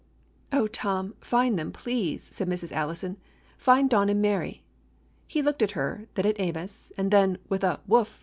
"Oh, Tom, find them, please," said Mrs. Allison. "Find Don and Mary!" He looked at her, then at Amos, and then, with a "Woof!"